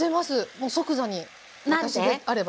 もう即座に私であれば。